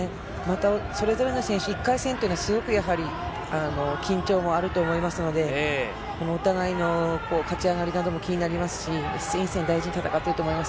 それぞれの選手、１回戦というのはやはり緊張もあると思いますので、お互いの勝ち上がりなども気になりますし、一戦一戦、大事に戦っていると思います。